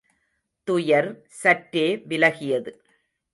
துயர் சற்றே விலகியது.